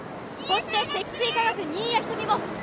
そして積水化学、新谷仁美